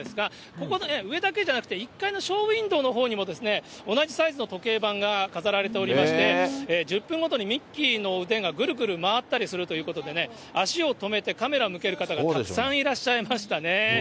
ここ、上だけじゃなくて、１階のショーウィンドーのほうにも同じサイズの時計盤が飾られておりまして、１０分ごとにミッキーの腕がぐるぐる回ったりするということでね、足を止めてカメラを向ける方がたくさんいらっしゃいましたね。